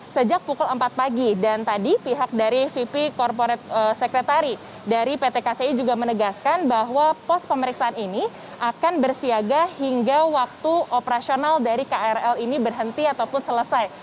sejak pukul empat pagi dan tadi pihak dari vp corporate secretary dari pt kci juga menegaskan bahwa pos pemeriksaan ini akan bersiaga hingga waktu operasional dari krl ini berhenti ataupun selesai